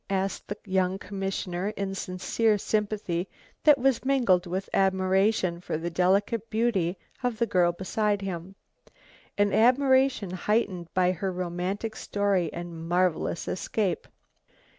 asked the young commissioner in sincere sympathy that was mingled with admiration for the delicate beauty of the girl beside him, an admiration heightened by her romantic story and marvelous escape.